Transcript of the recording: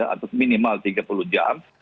atau minimal tiga puluh jam